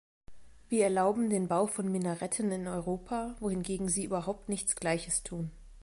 Wir erlauben den Bau von Minaretten in Europa, wohingegen sie überhaupt nichts Gleiches tun.